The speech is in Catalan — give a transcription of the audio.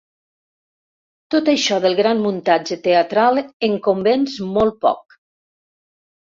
Tot això del gran muntatge teatral em convenç molt poc.